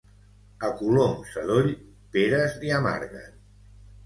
A colom sadoll, peres li amarguen.